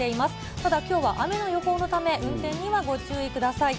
ただきょうは雨の予報のため、運転にはご注意ください。